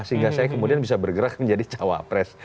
sehingga saya kemudian bisa bergerak menjadi cawapres